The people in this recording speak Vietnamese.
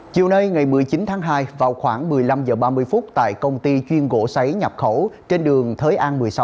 chiều nay ngày một mươi chín tháng hai vào khoảng một mươi năm h ba mươi tại công ty chuyên gỗ sấy nhập khẩu trên đường thới an một mươi sáu